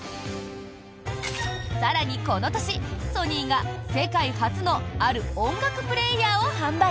更にこの年、ソニーが世界初のある音楽プレーヤーを販売。